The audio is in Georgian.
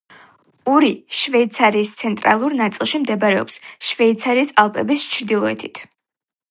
ური შვეიცარიის ცენტრალურ ნაწილში მდებარეობს, შვეიცარიის ალპების ჩრდილოეთით.